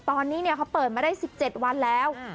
ตอนนี้เขาเปิดมาได้๑๗วันแล้ว